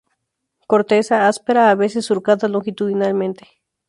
Corteza: áspera, a veces surcada longitudinalmente.